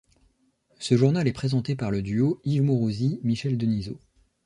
Ce journal est présenté par le duo Yves Mourousi-Michel Denisot.